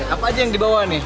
apa aja yang dibawa nih